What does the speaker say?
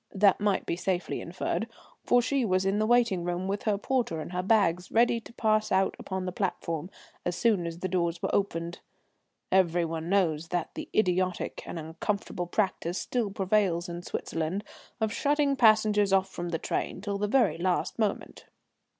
That might be safely inferred, for she was in the waiting room with her porter and her bags, ready to pass out upon the platform as soon as the doors were opened. (Everyone knows that the idiotic and uncomfortable practice still prevails in Switzerland of shutting passengers off from the train till the very last moment.)